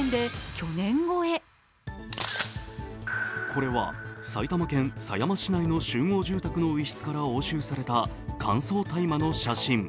これは埼玉県狭山市内の集合住宅の一室から押収された乾燥大麻の写真。